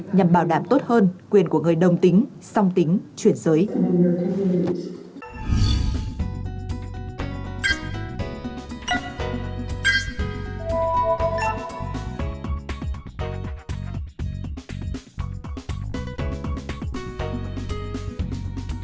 nhằm bảo đảm tốt hơn quyền của người đồng tính song tính chuyển giới